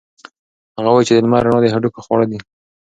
هغه وایي چې د لمر رڼا د هډوکو خواړه دي.